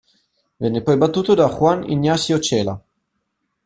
Venne poi battuto da Juan Ignacio Chela.